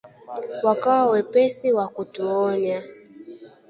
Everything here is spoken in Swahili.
Wakawa wepesi wa kutuonya,